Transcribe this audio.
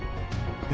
え？